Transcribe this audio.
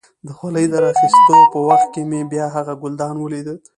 د خولۍ د را اخيستو په وخت کې مې بیا هغه ګلدان ولید.